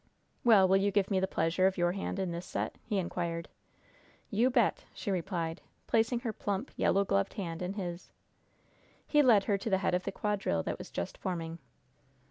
"Well, will you give me the pleasure of your hand in this set?" he inquired. "You bet!" she replied, placing her plump, yellow gloved hand in his. He led her to the head of the quadrille that was just forming.